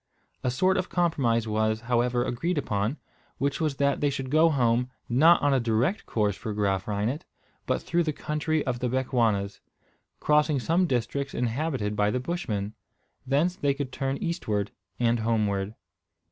A sort of compromise was, however, agreed upon, which was that they should go home, not on a direct course for Graaf Reinet, but through the country of the Bechuanas, crossing some districts inhabited by the Bushmen. Thence they could turn eastward and homeward.